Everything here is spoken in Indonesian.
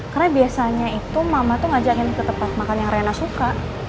karena biasanya itu mama tuh ngajakin ke tempat makan yang rena suka